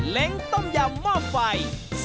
เล้งต้มยำหม้อไฟ